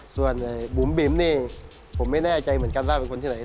ส่วนบุ๋มบิ๋มนี่ผมไม่แน่ใจเหมือนกันว่าเป็นคนที่ไหน